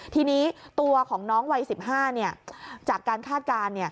ทีนี้ตัวของน้องวัย๑๕จากการคาดการณ์